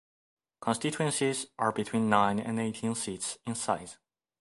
Constituencies are between nine and eighteen seats in size.